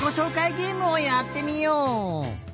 げえむをやってみよう！